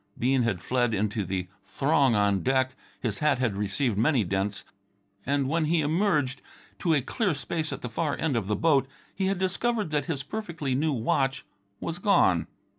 Bean had fled into the throng on deck. His hat had received many dents, and when he emerged to a clear space at the far end of the boat he had discovered that his perfectly new watch was gone.